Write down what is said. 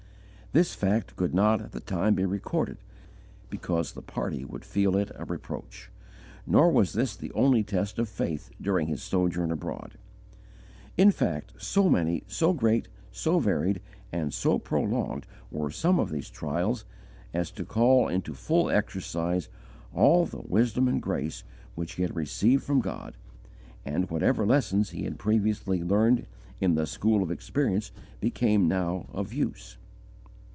This fact could not at the time be recorded because the party would feel it a reproach. Nor was this the only test of faith during his sojourn abroad; in fact so many, so great, so varied, and so prolonged were some of these trials, as to call into full exercise all the wisdom and grace which he had received from God, and whatever lessons he had previously learned in the school of experience became now of use.